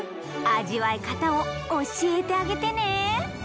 味わい方を教えてあげてね。